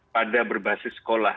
pada berbasis sekolah